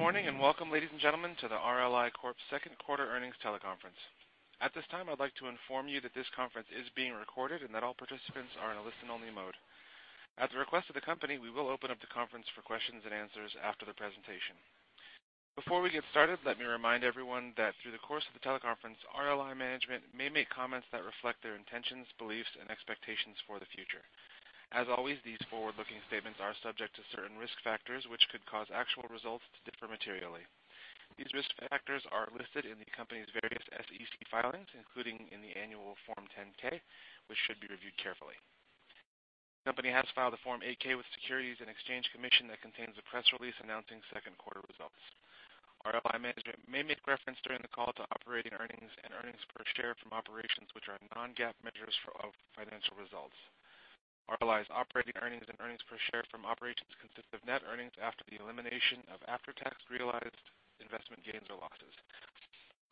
Good morning, welcome, ladies and gentlemen, to the RLI Corp.'s second quarter earnings teleconference. At this time, I'd like to inform you that this conference is being recorded and that all participants are in a listen-only mode. At the request of the company, we will open up the conference for questions and answers after the presentation. Before we get started, let me remind everyone that through the course of the teleconference, RLI management may make comments that reflect their intentions, beliefs, and expectations for the future. As always, these forward-looking statements are subject to certain risk factors which could cause actual results to differ materially. These risk factors are listed in the company's various SEC filings, including in the annual Form 10-K, which should be reviewed carefully. The company has filed a Form 8-K with Securities and Exchange Commission that contains a press release announcing second quarter results. RLI management may make reference during the call to operating earnings and earnings per share from operations which are non-GAAP measures of financial results. RLI's operating earnings and earnings per share from operations consist of net earnings after the elimination of after-tax realized investment gains or losses.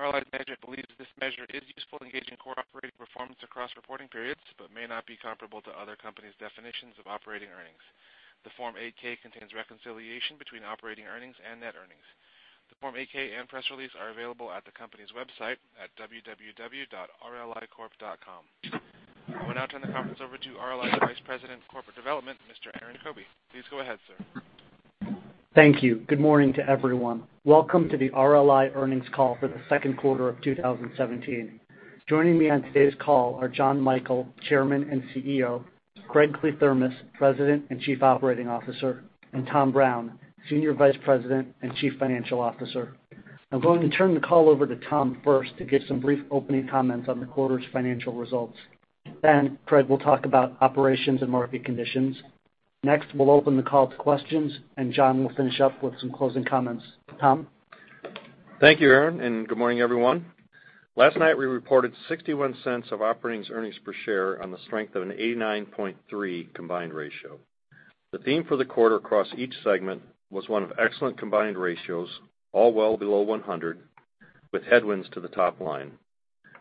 RLI's management believes this measure is useful in gauging core operating performance across reporting periods but may not be comparable to other companies' definitions of operating earnings. The Form 8-K contains reconciliation between operating earnings and net earnings. The Form 8-K and press release are available at the company's website at www.rlicorp.com. I will now turn the conference over to RLI's Vice President of Corporate Development, Mr. Aaron Diefenthaler. Please go ahead, sir. Thank you. Good morning to everyone. Welcome to the RLI earnings call for the second quarter of 2017. Joining me on today's call are Jonathan Michael, Chairman and CEO, Craig Kliethermes, President and Chief Operating Officer, and Tom Brown, Senior Vice President and Chief Financial Officer. I'm going to turn the call over to Tom first to give some brief opening comments on the quarter's financial results. Craig will talk about operations and market conditions. Next, we'll open the call to questions, and John will finish up with some closing comments. Tom? Thank you, Aaron, good morning, everyone. Last night, we reported $0.61 of operating earnings per share on the strength of an 89.3% combined ratio. The theme for the quarter across each segment was one of excellent combined ratios, all well below 100%, with headwinds to the top line.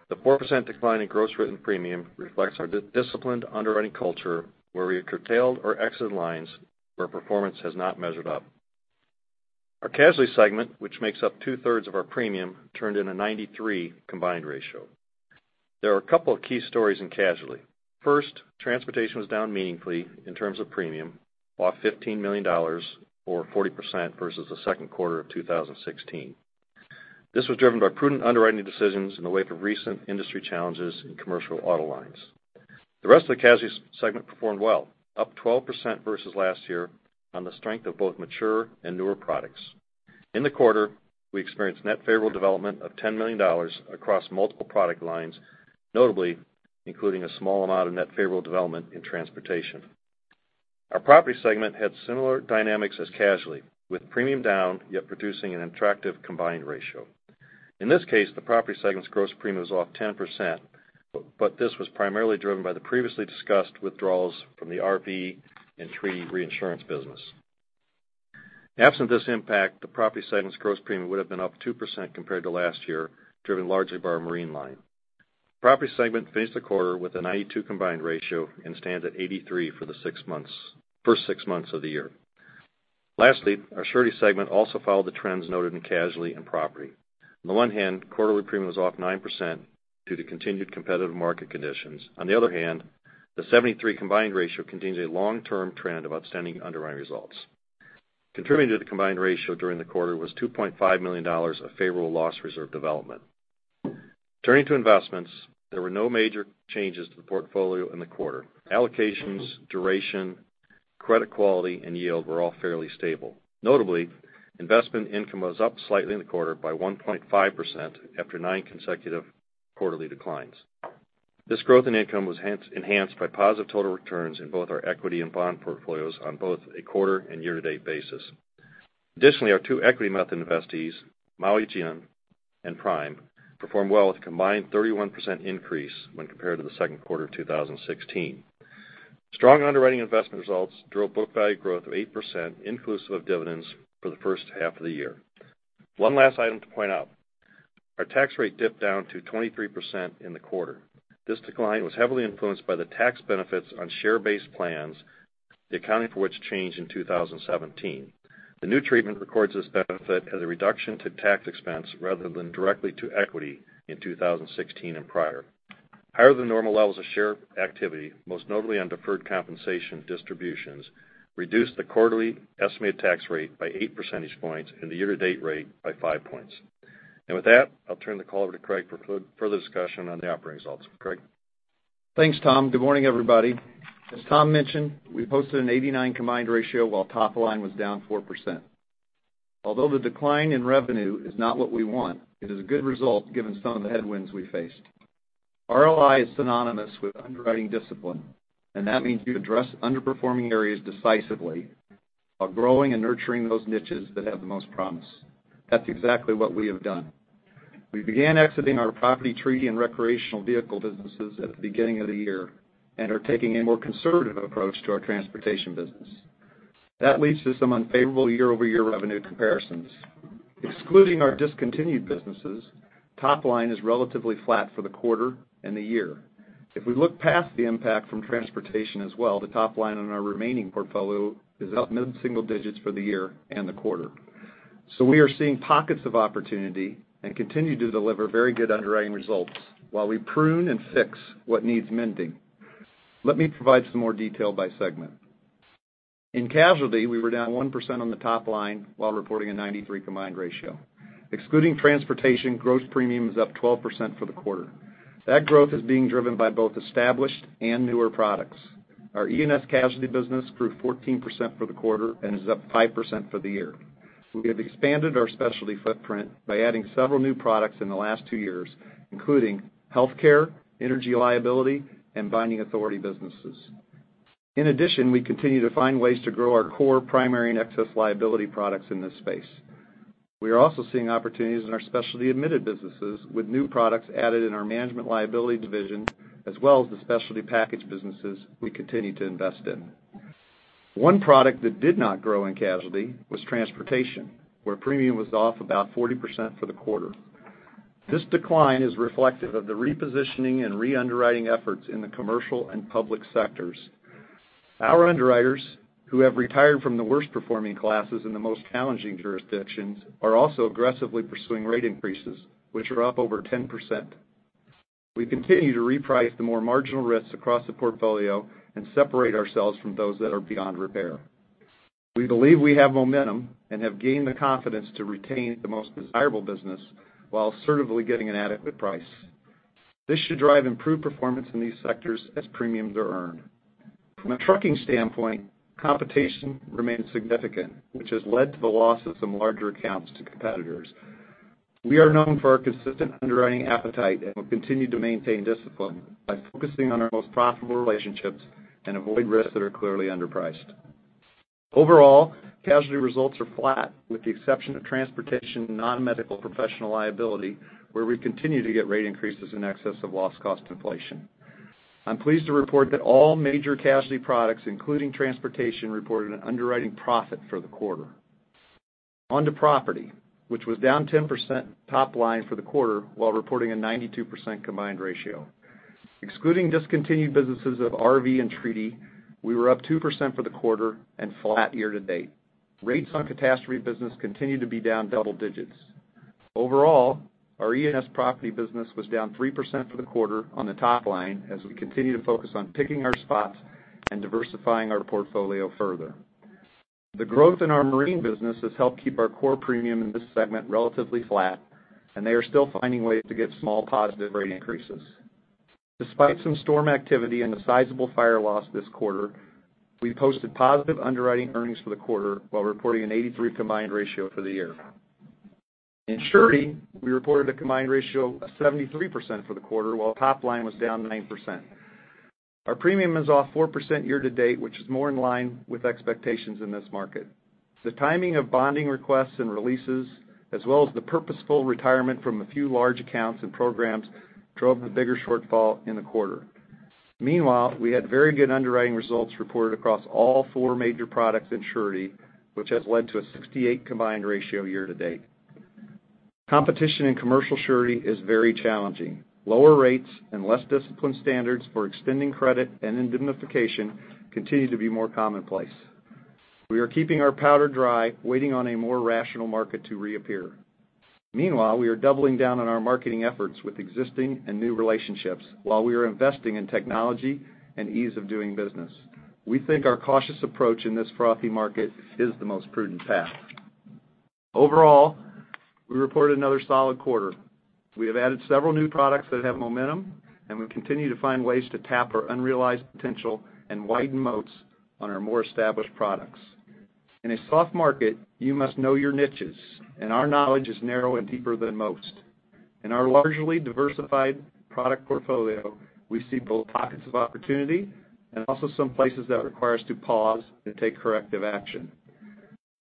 The 4% decline in gross written premium reflects our disciplined underwriting culture, where we have curtailed or exited lines where performance has not measured up. Our casualty segment, which makes up two-thirds of our premium, turned in a 93% combined ratio. There are a couple of key stories in casualty. First, transportation was down meaningfully in terms of premium, off $15 million, or 40% versus the second quarter of 2016. This was driven by prudent underwriting decisions in the wake of recent industry challenges in commercial auto lines. The rest of the casualty segment performed well, up 12% versus last year on the strength of both mature and newer products. In the quarter, we experienced net favorable development of $10 million across multiple product lines, notably including a small amount of net favorable development in transportation. Our property segment had similar dynamics as casualty, with premium down, yet producing an attractive combined ratio. In this case, the property segment's gross premium is off 10%, but this was primarily driven by the previously discussed withdrawals from the RV and treaty reinsurance business. Absent this impact, the property segment's gross premium would've been up 2% compared to last year, driven largely by our marine line. Property segment faced the quarter with a 92 combined ratio and stands at 83 for the first six months of the year. Lastly, our surety segment also followed the trends noted in casualty and property. On the one hand, quarterly premium was off 9% due to continued competitive market conditions. On the other hand, the 73 combined ratio continues a long-term trend of outstanding underwriting results. Contributing to the combined ratio during the quarter was $2.5 million of favorable loss reserve development. Turning to investments, there were no major changes to the portfolio in the quarter. Allocations, duration, credit quality, and yield were all fairly stable. Notably, investment income was up slightly in the quarter by 1.5% after nine consecutive quarterly declines. This growth in income was enhanced by positive total returns in both our equity and bond portfolios on both a quarter and year-to-date basis. Additionally, our two equity method investees, Maui Jim and Prime, performed well with a combined 31% increase when compared to the second quarter of 2016. Strong underwriting investment results drove book value growth of 8% inclusive of dividends for the first half of the year. One last item to point out. Our tax rate dipped down to 23% in the quarter. This decline was heavily influenced by the tax benefits on share-based plans, the accounting for which changed in 2017. The new treatment records this benefit as a reduction to tax expense rather than directly to equity in 2016 and prior. Higher than normal levels of share activity, most notably on deferred compensation distributions, reduced the quarterly estimated tax rate by eight percentage points and the year-to-date rate by five points. With that, I'll turn the call over to Craig for further discussion on the operating results. Craig? Thanks, Tom. Good morning, everybody. As Tom mentioned, we posted an 89 combined ratio while top line was down 4%. Although the decline in revenue is not what we want, it is a good result given some of the headwinds we faced. RLI is synonymous with underwriting discipline, and that means you address underperforming areas decisively while growing and nurturing those niches that have the most promise. That's exactly what we have done. We began exiting our property treaty and recreational vehicle businesses at the beginning of the year and are taking a more conservative approach to our transportation business. That leads to some unfavorable year-over-year revenue comparisons. Excluding our discontinued businesses, top line is relatively flat for the quarter and the year. If we look past the impact from transportation as well, the top line on our remaining portfolio is up mid-single digits for the year and the quarter. We are seeing pockets of opportunity and continue to deliver very good underwriting results while we prune and fix what needs mending. Let me provide some more detail by segment. In casualty, we were down 1% on the top line while reporting a 93 combined ratio. Excluding transportation, gross premium is up 12% for the quarter. That growth is being driven by both established and newer products. Our E&S casualty business grew 14% for the quarter and is up 5% for the year. We have expanded our specialty footprint by adding several new products in the last two years, including healthcare, energy liability, and binding authority businesses. In addition, we continue to find ways to grow our core primary and excess liability products in this space. We are also seeing opportunities in our specialty admitted businesses with new products added in our management liability division, as well as the specialty package businesses we continue to invest in. One product that did not grow in casualty was transportation, where premium was off about 40% for the quarter. This decline is reflective of the repositioning and re-underwriting efforts in the commercial and public sectors. Our underwriters, who have retired from the worst-performing classes in the most challenging jurisdictions, are also aggressively pursuing rate increases, which are up over 10%. We continue to reprice the more marginal risks across the portfolio and separate ourselves from those that are beyond repair. We believe we have momentum and have gained the confidence to retain the most desirable business while assertively getting an adequate price. This should drive improved performance in these sectors as premiums are earned. From a trucking standpoint, competition remains significant, which has led to the loss of some larger accounts to competitors. We are known for our consistent underwriting appetite and will continue to maintain discipline by focusing on our most profitable relationships and avoid risks that are clearly underpriced. Overall, casualty results are flat with the exception of transportation, non-medical professional liability, where we continue to get rate increases in excess of loss cost inflation. I'm pleased to report that all major casualty products, including transportation, reported an underwriting profit for the quarter. On to property, which was down 10% top line for the quarter while reporting a 92% combined ratio. Excluding discontinued businesses of RV and treaty, we were up 2% for the quarter and flat year to date. Rates on catastrophe business continue to be down double digits. Overall, our E&S property business was down 3% for the quarter on the top line as we continue to focus on picking our spots and diversifying our portfolio further. The growth in our marine business has helped keep our core premium in this segment relatively flat, and they are still finding ways to get small positive rate increases. Despite some storm activity and a sizable fire loss this quarter, we posted positive underwriting earnings for the quarter while reporting an 83 combined ratio for the year. In surety, we reported a combined ratio of 73% for the quarter, while top line was down 9%. Our premium is off 4% year to date, which is more in line with expectations in this market. The timing of bonding requests and releases, as well as the purposeful retirement from a few large accounts and programs, drove the bigger shortfall in the quarter. Meanwhile, we had very good underwriting results reported across all four major products in surety, which has led to a 68 combined ratio year to date. Competition in commercial surety is very challenging. Lower rates and less disciplined standards for extending credit and indemnification continue to be more commonplace. We are keeping our powder dry, waiting on a more rational market to reappear. Meanwhile, we are doubling down on our marketing efforts with existing and new relationships while we are investing in technology and ease of doing business. We think our cautious approach in this frothy market is the most prudent path. Overall, we reported another solid quarter. We have added several new products that have momentum, and we continue to find ways to tap our unrealized potential and widen moats on our more established products. In a soft market, you must know your niches, and our knowledge is narrow and deeper than most. In our largely diversified product portfolio, we see both pockets of opportunity and also some places that require us to pause and take corrective action.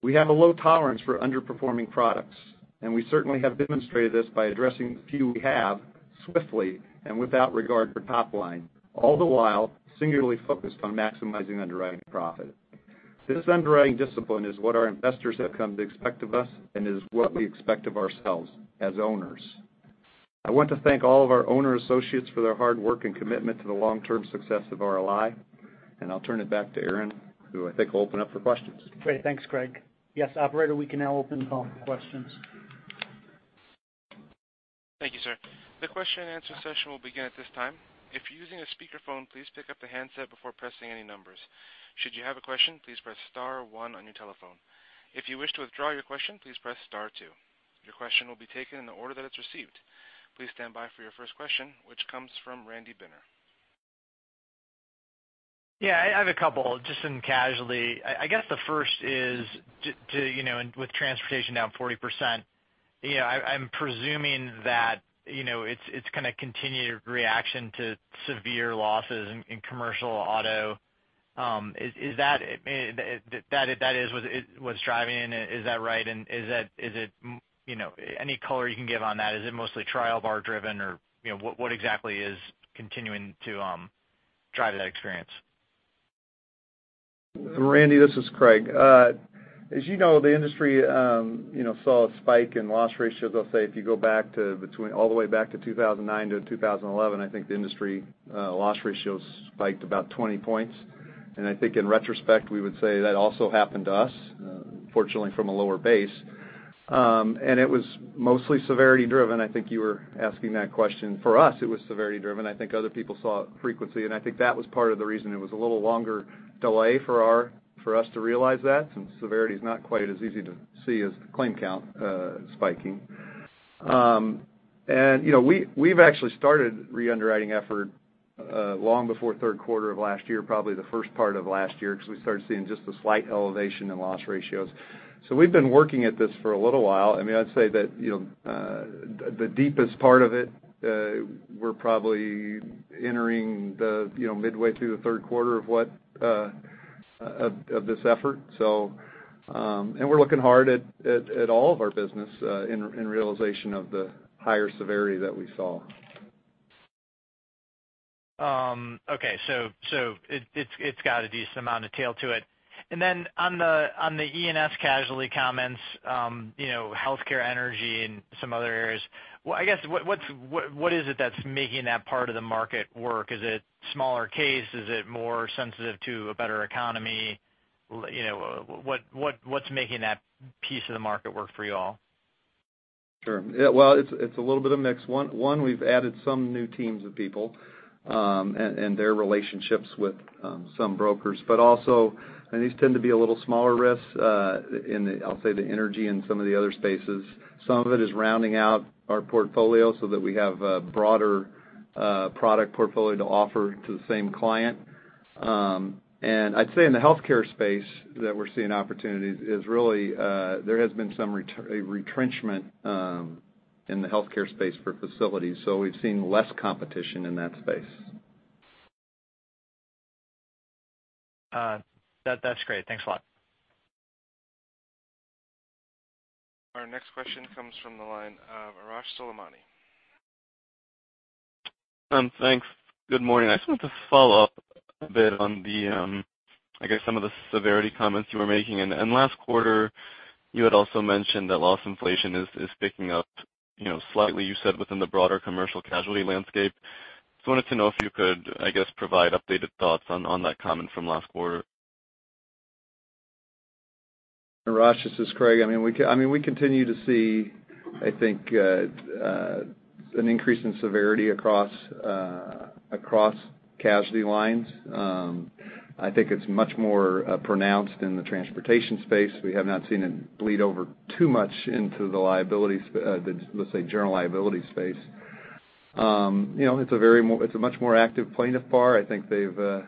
We have a low tolerance for underperforming products, and we certainly have demonstrated this by addressing the few we have swiftly and without regard for top line, all the while singularly focused on maximizing underwriting profit. This underwriting discipline is what our investors have come to expect of us and is what we expect of ourselves as owners. I want to thank all of our owner associates for their hard work and commitment to the long-term success of RLI, and I'll turn it back to Aaron, who I think will open up for questions. Great. Thanks, Craig. Operator, we can now open the phone for questions. Thank you, sir. The question and answer session will begin at this time. If you're using a speakerphone, please pick up the handset before pressing any numbers. Should you have a question, please press star one on your telephone. If you wish to withdraw your question, please press star two. Your question will be taken in the order that it's received. Please stand by for your first question, which comes from Randy Binner. I have a couple just in casualty. I guess the first is, with transportation down 40%, I'm presuming that it's continued reaction to severe losses in commercial auto. If that is what's driving it, is that right? Any color you can give on that? Is it mostly trial bar driven, or what exactly is continuing to drive that experience? Randy, this is Craig. As you know, the industry saw a spike in loss ratios. I'll say, if you go back all the way back to 2009 to 2011, I think the industry loss ratios spiked about 20 points. I think in retrospect, we would say that also happened to us, fortunately from a lower base. It was mostly severity driven. I think you were asking that question. For us, it was severity driven. I think other people saw frequency, and I think that was part of the reason it was a little longer delay for us to realize that, since severity is not quite as easy to see as claim count spiking. We've actually started re-underwriting effort long before third quarter of last year, probably the first part of last year, because we started seeing just a slight elevation in loss ratios. We've been working at this for a little while. I'd say that the deepest part of it, we're probably entering the midway through the third quarter of this effort. We're looking hard at all of our business in realization of the higher severity that we saw. Okay. It's got a decent amount of tail to it. On the E&S casualty comments, healthcare, energy, and some other areas, I guess, what is it that's making that part of the market work? Is it smaller case? Is it more sensitive to a better economy? What's making that piece of the market work for you all? Sure. Yeah. It's a little bit of mix. One, we've added some new teams of people, and their relationships with some brokers. These tend to be a little smaller risks, in, I'll say, the energy and some of the other spaces. Some of it is rounding out our portfolio so that we have a broader product portfolio to offer to the same client. I'd say in the healthcare space that we're seeing opportunities is really, there has been some retrenchment in the healthcare space for facilities. We've seen less competition in that space. That's great. Thanks a lot. Our next question comes from the line of Arash Soleimani. Thanks. Good morning. I just wanted to follow up a bit on the, I guess, some of the severity comments you were making. Last quarter, you had also mentioned that loss cost inflation is picking up slightly, you said, within the broader commercial casualty landscape. I wanted to know if you could, I guess, provide updated thoughts on that comment from last quarter. Arash, this is Craig. We continue to see, I think, an increase in severity across casualty lines. I think it's much more pronounced in the transportation space. We have not seen it bleed over too much into the, let's say, general liability space. It's a much more active plaintiffs' bar. I think there's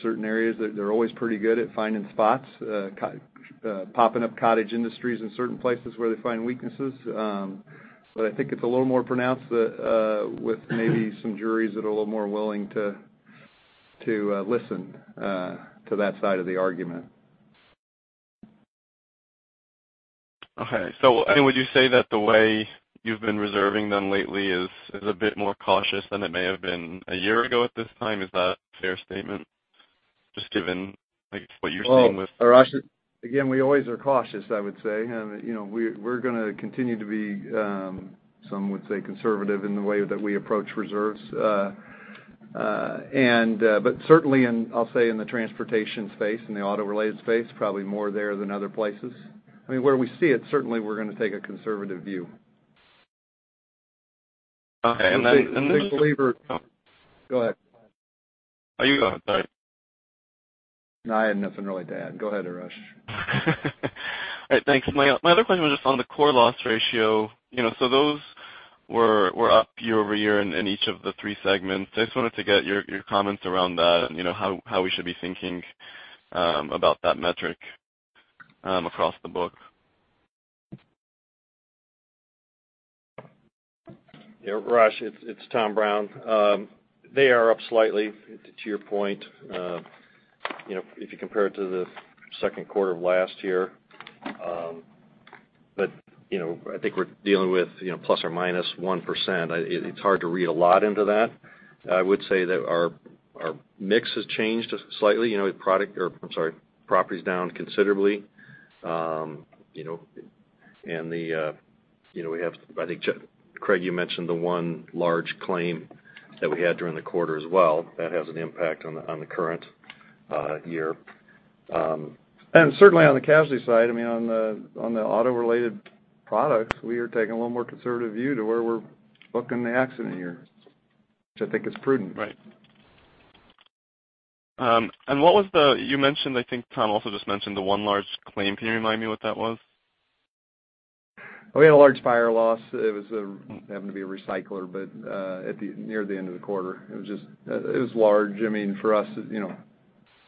certain areas that they're always pretty good at finding spots, popping up cottage industries in certain places where they find weaknesses. I think it's a little more pronounced with maybe some juries that are a little more willing to listen to that side of the argument. Okay. Would you say that the way you've been reserving them lately is a bit more cautious than it may have been a year ago at this time? Is that a fair statement, just given, I guess, what you're seeing with- Well, Arash, again, we always are cautious, I would say. We're going to continue to be, some would say, conservative in the way that we approach reserves. Certainly, I'll say in the transportation space, in the auto related space, probably more there than other places. Where we see it, certainly we're going to take a conservative view. Okay. I believe we're. Go ahead. You go. Sorry. No, I had nothing really to add. Go ahead, Arash. All right. Thanks. My other question was just on the core loss ratio. Those were up year-over-year in each of the three segments. I just wanted to get your comments around that and how we should be thinking about that metric across the book. Yeah, Arash, it's Tom Brown. They are up slightly, to your point, if you compare it to the second quarter of last year. I think we're dealing with ±1%. It's hard to read a lot into that. I would say that our mix has changed slightly. Property's down considerably. We have, I think, Craig, you mentioned the one large claim that we had during the quarter as well. That has an impact on the current year. Certainly on the casualty side, on the auto related products, we are taking a little more conservative view to where we're booking the accident year, which I think is prudent. Right. You mentioned, I think Tom also just mentioned the one large claim. Can you remind me what that was? We had a large fire loss. It happened to be a recycler near the end of the quarter. It was large. For us,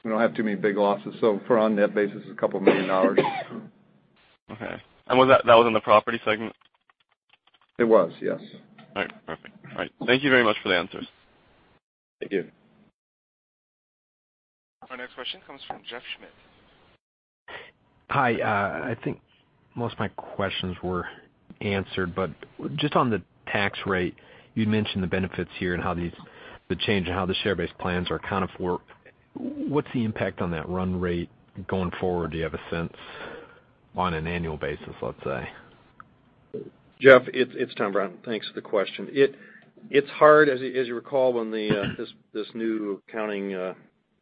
we don't have too many big losses. For on net basis, it's a couple million dollars. Okay. That was in the property segment? It was, yes. All right. Perfect. All right. Thank you very much for the answers. Thank you. Our next question comes from Jeff Schmitt. Hi. I think most of my questions were answered, but just on the tax rate, you'd mentioned the benefits here and how the change and how the share base plans are accounted for. What's the impact on that run rate going forward? Do you have a sense on an annual basis, let's say? Jeff, it's Tom Brown. Thanks for the question. It's hard, as you recall, when this new accounting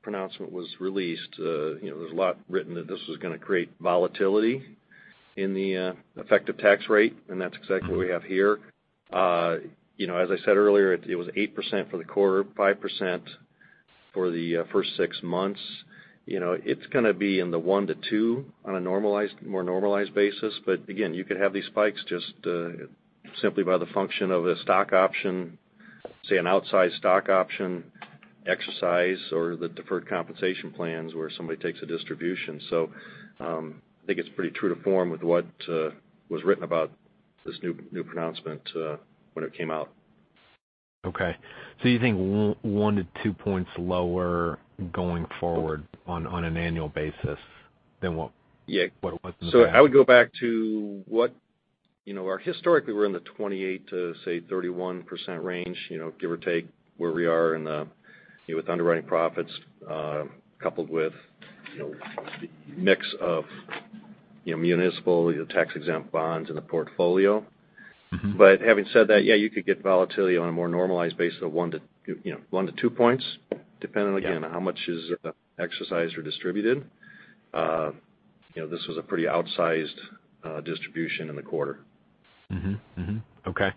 pronouncement was released, there was a lot written that this was going to create volatility in the effective tax rate. That's exactly what we have here. As I said earlier, it was 8% for the quarter, 5% for the first six months. It's going to be in the 1%-2% on a more normalized basis. Again, you could have these spikes just simply by the function of a stock option, say an outsized stock option exercise or the deferred compensation plans where somebody takes a distribution. I think it's pretty true to form with what was written about this new pronouncement when it came out. Okay. You think 1-2 points lower going forward on an annual basis than what Yeah. What it was in the past. I would go back to historically, we're in the 28%-31% range, give or take, where we are with underwriting profits, coupled with the mix of municipal tax-exempt bonds in the portfolio. Having said that, you could get volatility on a more normalized basis of 1-2 points, depending again on how much is exercised or distributed. This was a pretty outsized distribution in the quarter. Okay.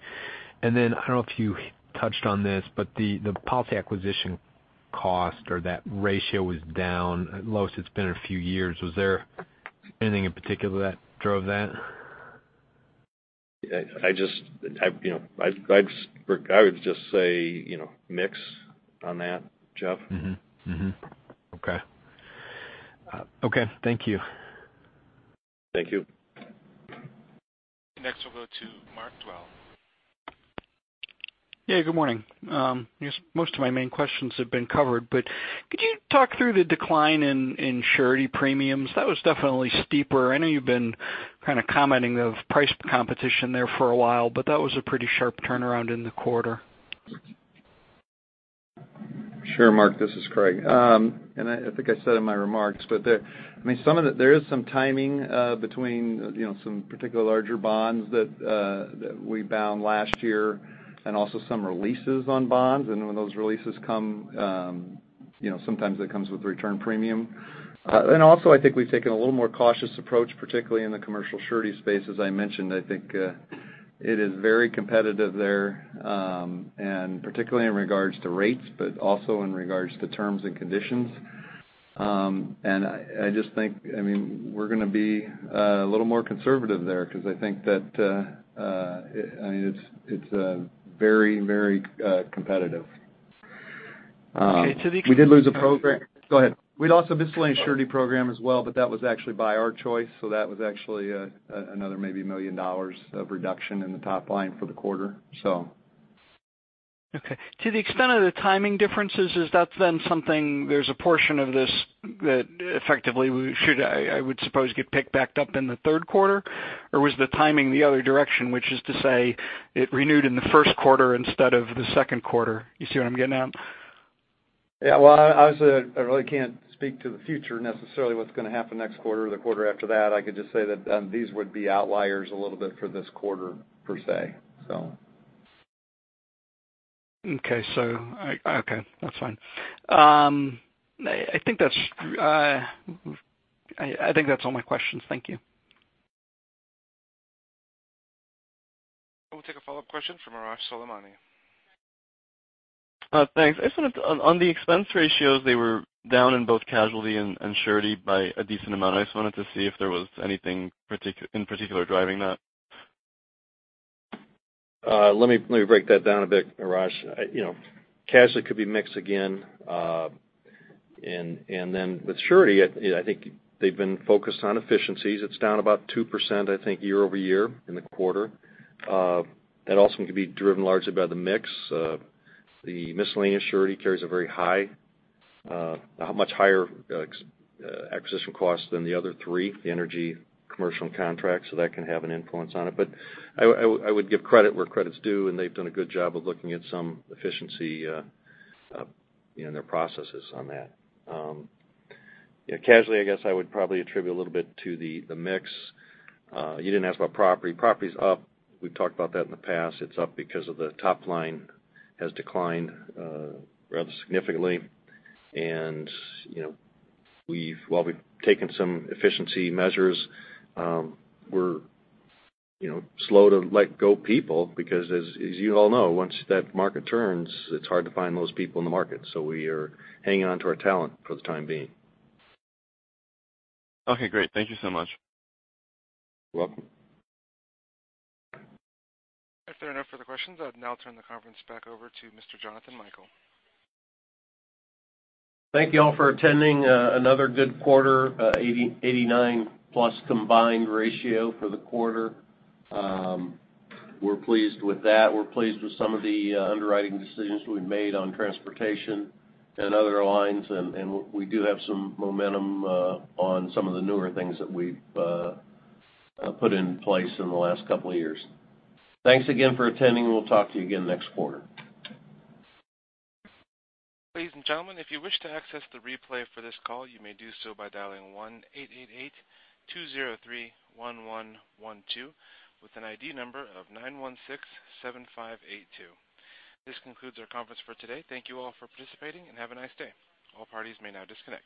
I don't know if you touched on this, but the policy acquisition cost or that ratio was down, lowest it's been in a few years. Was there anything in particular that drove that? I would just say mix on that, Jeff. Okay. Thank you. Thank you. We'll go to Mark Dwelle. Yeah, good morning. Most of my main questions have been covered, could you talk through the decline in surety premiums? That was definitely steeper. I know you've been kind of commenting of price competition there for a while, but that was a pretty sharp turnaround in the quarter. Sure, Mark, this is Craig. I think I said in my remarks, but there is some timing between some particular larger bonds that we bound last year and also some releases on bonds. When those releases come, sometimes it comes with return premium. Also, I think we've taken a little more cautious approach, particularly in the commercial surety space, as I mentioned. I think it is very competitive there, and particularly in regards to rates, but also in regards to terms and conditions. I just think we're going to be a little more conservative there because I think that it's very competitive. Okay. We did lose a program. Go ahead. We'd also miscellaneous surety program as well, that was actually by our choice, that was actually another maybe $1 million of reduction in the top line for the quarter. Okay. To the extent of the timing differences, is that something there's a portion of this that effectively should, I would suppose, get picked back up in the third quarter? Was the timing the other direction, which is to say it renewed in the first quarter instead of the second quarter? You see what I'm getting at? Yeah. Obviously, I really can't speak to the future necessarily, what's going to happen next quarter or the quarter after that. I could just say that these would be outliers a little bit for this quarter per se. Okay. That's fine. I think that's all my questions. Thank you. We'll take a follow-up question from Arash Soleimani. Thanks. I just wanted on the expense ratios, they were down in both casualty and surety by a decent amount. I just wanted to see if there was anything in particular driving that. Let me break that down a bit, Arash. Casualty could be mix again. With surety, I think they've been focused on efficiencies. It's down about 2%, I think, year-over-year in the quarter. That also could be driven largely by the mix. The miscellaneous surety carries a much higher policy acquisition cost than the other three, the energy commercial contracts, so that can have an influence on it. I would give credit where credit's due, and they've done a good job of looking at some efficiency in their processes on that. Casualty, I guess I would probably attribute a little bit to the mix. You didn't ask about property. Property's up. We've talked about that in the past. It's up because of the top line has declined rather significantly. While we've taken some efficiency measures, we're slow to let go of people because as you all know, once that market turns, it's hard to find those people in the market. We are hanging on to our talent for the time being. Okay, great. Thank you so much. You're welcome. If there are no further questions, I would now turn the conference back over to Mr. Jonathan Michael. Thank you all for attending. Another good quarter, 89+ combined ratio for the quarter. We're pleased with that. We're pleased with some of the underwriting decisions we've made on transportation and other lines. We do have some momentum on some of the newer things that we've put in place in the last couple of years. Thanks again for attending. We'll talk to you again next quarter. Ladies and gentlemen, if you wish to access the replay for this call, you may do so by dialing 1-888-203-1112 with an ID number of 9167582. This concludes our conference for today. Thank you all for participating and have a nice day. All parties may now disconnect.